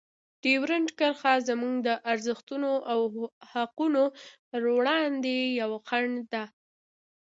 ډیورنډ کرښه زموږ د ارزښتونو او حقونو په وړاندې یوه خنډ ده.